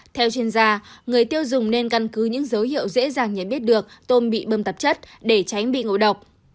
theo chuyên gia người tiêu dùng nên căn cứ những dấu hiệu dễ dàng nhận biết được tôm bị bơm tạp chất để tránh bị ngộ độc